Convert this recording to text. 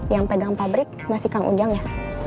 yang pegang pabrik masih kang ujang ya